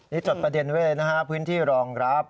นี่จดประเด็นไว้เลยนะฮะพื้นที่รองรับ